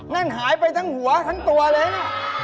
นั่นหายไปทั้งหัวทั้งตัวเลยนะ